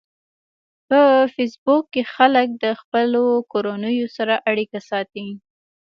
په فېسبوک کې خلک د خپلو کورنیو سره اړیکه ساتي